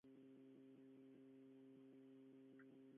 -Oh, mai, adorada meva!